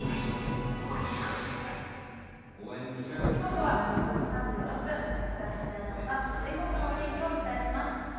時刻は５時３６分、私、なえなのが全国のお天気をお伝えします。